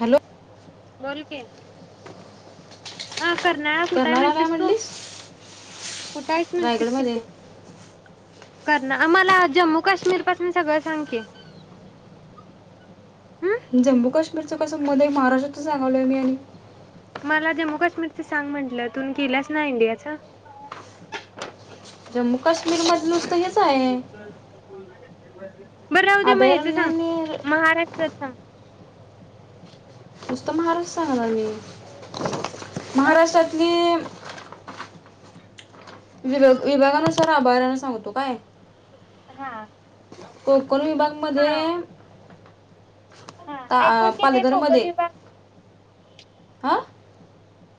Hello. बोल की हा. करणाळा कुठ कर्नाळा काय म्हंटलीस तू म्हणलीस कुठहीस म्हंटलीस की तू. रायगडमध्ये करण आम्हाला जम्मू काश्मीर पासून सगळं सांग की. हं जम्मू काश्मीरचं कसं मध्ये महाराष्ट्राच सांगालोय मी आणि. मला जम्मू काश्मीरच सांग म्हटलं तुन केलंस ना इंडियाच. जमू काश्मीर. [unintelligible] [unintelligible] बरं अ उद्या म या्यायचं सांग अभयारण्याने महाराष्ट्रात सांग नुसतं महाराष्ट्र सांगणार मी महाराष्ट्रातली. विभाग विभागानुसार आभऱान सांगतो काय. हा कोकण विभागामध्ये हा हा एकूण किती आहे कोकण पालघरमध्येध्ये विभाग हा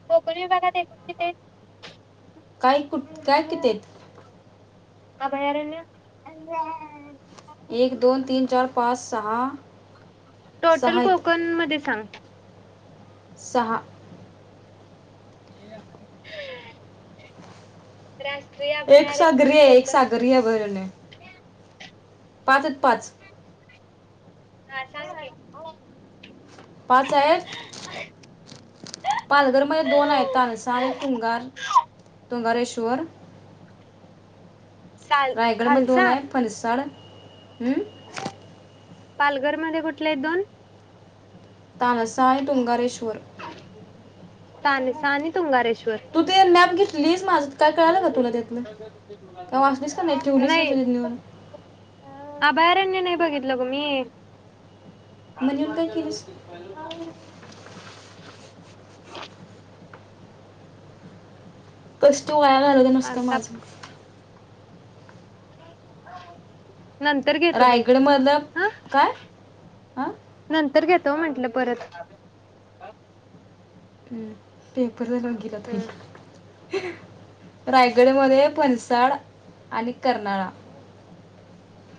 खोकण विभागात एकूणची ते काय कुठ काय कितीेत अभयारन एक दोन तीन चार पाच सहा सहा टोटल आहेत कोकण मध्ये सांग सहा [inaudible] एक अभयारण्य सागरी आहे एक कोकण सागरी आहे बरणे पाचच पाच हा पाच आहेत पालघरमध्ये दोन आहेत तानसा की चार हम रायगड म दोन आहे फनसाड हम्म पालघर मध्ये कुठले आहेत दोन तानसाय तुंगारेश्वर त सानी तुंगारेश्वर तू ते नॅम घेतली मंद वाचलीस का ठेवलीस नसतं नाही तिथं नेऊन अभयारण्य नाही बघितलं ग मी मग काफी नेऊन काय केलीस मारयलागत पाहि ह कस् तो वया घाललं नसत माझं ह नंतर घेतो बाई रायगडमधलं हा काय हां नंतर घेतो त म्हटलं परत हम्म पेपर ते लंगलातोई हम्म रायगडमध्ये फनसाळ आणि कर्नाळा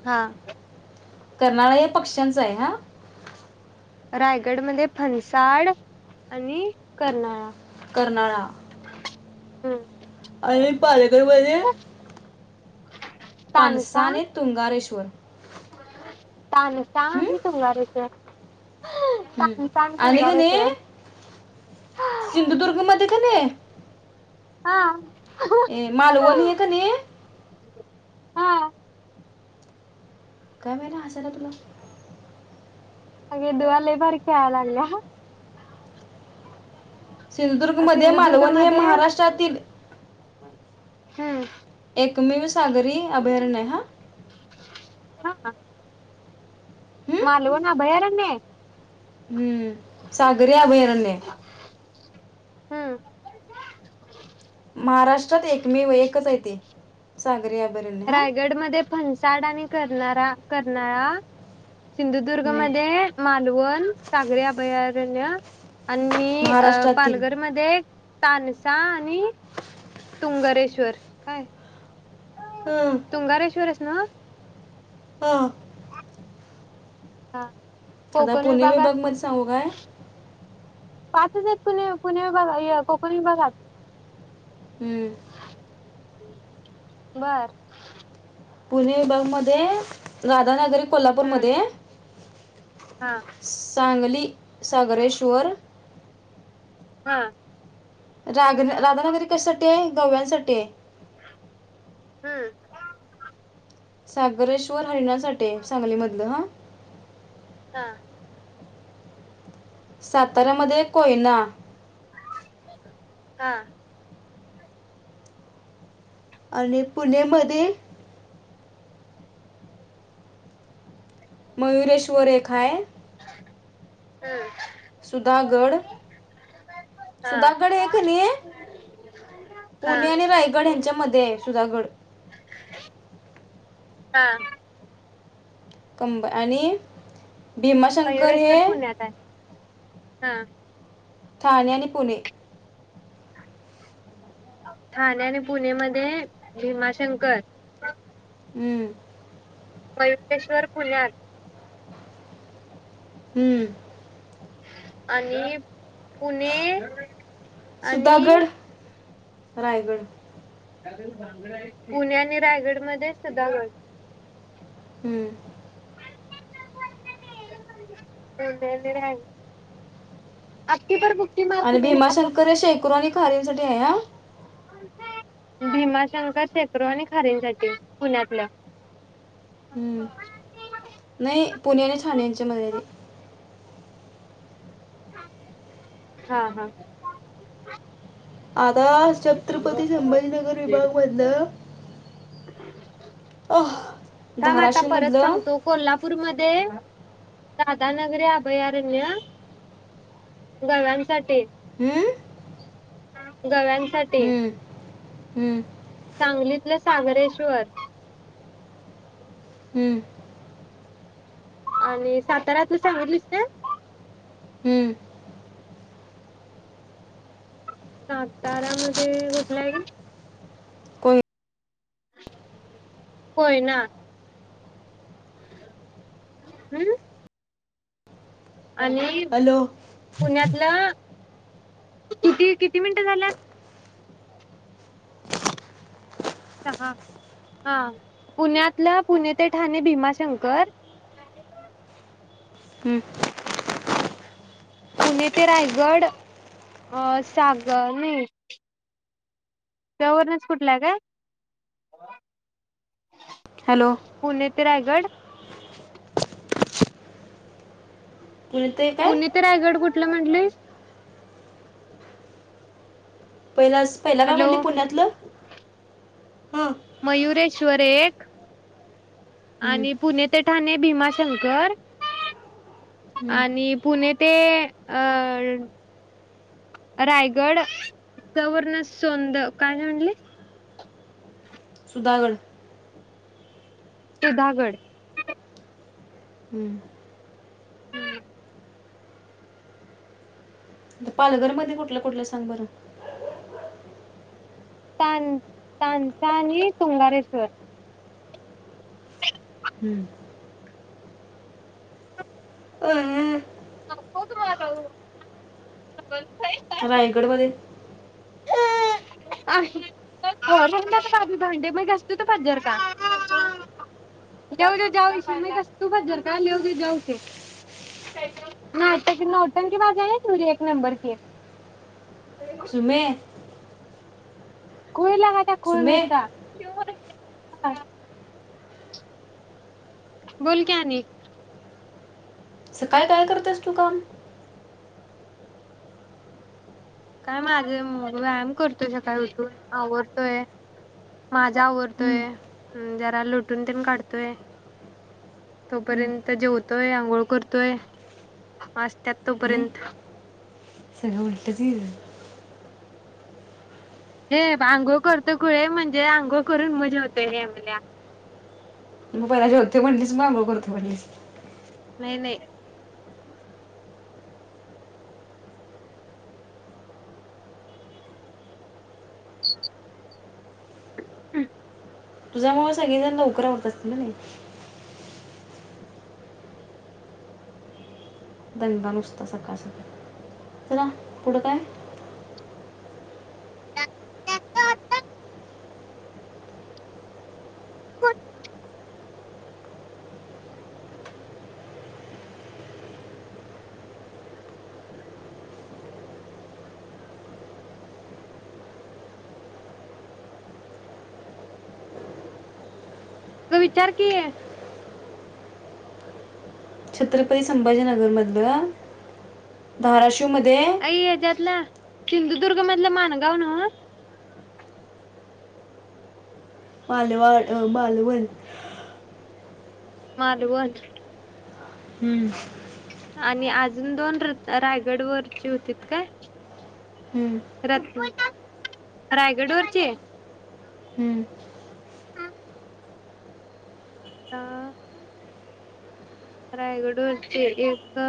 हा कर्नाळा या पक्ष्यांच आहे हा रायगड मध्ये फनसाड आणि कर्नाळा कर्नाळा हम्. आणि पालघर मधे [inaudible] पनसा तानसा आणि तुंगारेश्वर. पानसा आणि तुंगारेश्वर. हम् तानसा आणि कनी तुंगारेश्वर सिंधुदुर्ग मध्ये कनी हा. ए मालवण हे कनी हा. काय व्हालंय हसायला तुला? अगे दुवा लई भारी खेळा लागलीया. सिंधुदुर्गमध्ये मालवण हे महाराष्ट्रातील [inaudible] हॅ एकमेव सागरी अभयारण्य हा. हा काय? हम्म मालवनात अभयारण्य हाय. हम्म सागरी अभयारण्य हाय. [inaudible] हम्म. चाल तरी अभयारण्य ह. रायगडमध्ये फणसाड आणि करनारा, करनाळा सिंधुदुर्ग हम्म. मध्ये मालवण सागरी अभया [unintelligible] आणि अ महाराष्ट्रातील पालघरमध्ये तानसा आणि [inaudible] तुंगारेश्वर काय? [inaudible] हम्म, तुंगारेश्वरच ह. हा. हा. आता पुणे विभाग मध्ये सांगू काय? पाचंच आहेत पुणे, पुणे विभागा य कोकण विभागात. हम्म. बार पुणे विभागमध्ये राध नागरी हम्म कोल्हापूरमध्ये हा चांगली सागरेश्वर हा रा राधनागरी कशासाठी आहे गव्यांसाठी हम्म सागरेश्वर हरिणासाठीे सांगलीमधलं हा हा साताऱ्यामध्ये कोयना हा आणि पुणेमध्ये मयूरेश चरे खाय हम् सुधागढ हा. सुधागड हे का नाही आहे. हा. पुणे आणि रायगड ह्यांच्यामध्येध्ये आहे सुधागड हा कंब आणि आणि भीमाशंकर हे मयुरेश्वर पुण्यात आहे. हा ठाणे आणि पुणे ठाणे आणि पुणे मध्ये भीमाशंकर हम्म वयुकेश्वर पुुण्यात हम्म आणि पुणे सुधागड आणि रायगड पुणे आणि रायगड मध्ये सुधागड हमंम आपकी प ब आणि भीमाशंकर हे शेकू आणि खारींसाठी आहे या भीमाशंकर शेकडो आणि खारींसाठी पुण्यातल्या हम्म नाही पुणे आली ठछाणीचे मजरी हा हा आता छत्रपती संभाजीनगर विभाग मधलं अह का म आता परत धाराशिवमधलं सांगतो कोल्हापूरमध्ये दधानगरी अभयारण्य गव्यांसाठी हम्म हा गव्यांसाठी हम्म सांगलीतलं सागरेश्वर हम्म आणि साताऱ्यातलं सांगडलीस का हम्म साताऱ्यामध्ये कुठला आहे का को होय ना हम्म आणि हॅलो पुण्यातलं किती किती मिनिटं झाल्यात हा पुण्यातलं पुणे ते ठाणे भीमाशंकर हम्म पुणे ते रायगड अ सागर नाही गवरर्नच कुठलं काय हॅलो पुणे ते रायगड पुणे ते काय पुणे ते रायगड कुठे आपलं म्हंटलंय पहिला पहिला काय हॅलो पडली पुण्यातलं हम मयुरेश्वर एक हं, आणि पुणे ते ठाणे भीमा शंकर हं. आणि पुणे ते अ रायगड च वण सोंद काय म्हणले सुधाकरण उदागढ हम्म पालघर मध्ये कुठलं कुठलं सांग बरं तान तानसा आणि तुंगारेश्वर हम्म अं, ह होतु मार रायगड बध्ये बाजी भांडे मग घसत त पजर का लऊ दे जाऊश म घसतू भजर का लिऊ दे जाऊश नाट नट की बाजा आहे तुे एक नंबरची सुमे कोहिला खोल सुमे नुसता हा बोल कन स काय काय करतेस तू काम काय माझा व्यायाम करतोय सकाळी उठून आवरडतोय माझा हं, आवरडतोय ह जरा लोटून ते काढतोय हं. तोपर्यंत जेवतोय आंघोळ करतोय मस्त त्या तोपर्यंत सग उल्ट त हे अघो करतो कुळे म्हणजे अघो करून मजा होतय हे मुल्या मग पला जेवते म्हणच मागू करतो म्हणस नाही नाही हम् तुझ्या मुळ सगळीजण लवकर होत असतील ना नाही ध नुसता सकाळ सकाळ चला पुढं काय ब त विचार क आहे छत्रपती संभाजीनगर मधलं धाराश अई ये जतला सिंधुदुर्ग मधलं मानगाव नाव बलवा अ बलवल मालभ हम्म आणि अजून दोन र रायगड वरची होती काय हम्म. रत्न रायगड वरचे ह रायगडूरचे एक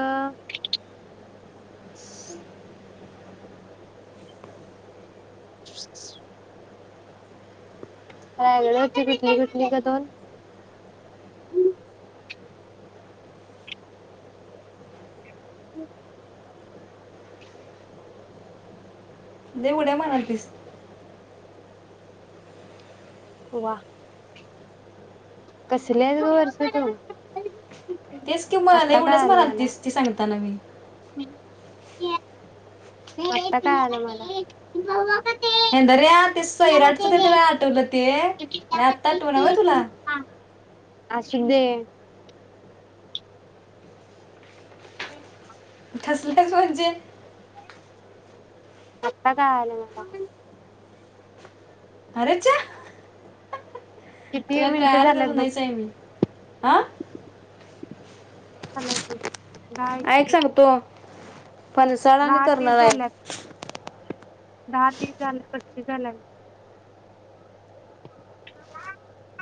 कायगड कटली कुटली का दोन हम् देवढ म्हणाल तस वा वा कसले आहे ग वर्ष त तेच कि म लई उड्याच मारालतीस ती सांगताना मी [inaudible] आत्ता कळालं मला हेंदऱ्या ते सैराटच ते आठवलं ते आणि आत्ता आठवना व्हय तुला असुंदे [inaudible] [unintelligible] म्हणजे आत्ता कळालं मला अरेच्या किती तुला मिनिटं काळाल झाल्यात तस बघ नाही चाय मी हा [unintelligible] दहा ऐक एक सांगतो फणसाळा आणि दहा तीस करणाळाय झाल्यात दहा तीस झाल्यात पस्तीस झाल्या [inaudible]